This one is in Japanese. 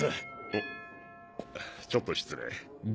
おっちょっと失礼。